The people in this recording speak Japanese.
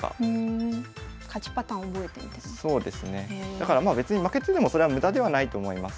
だからまあ負けててもそれは無駄ではないと思います。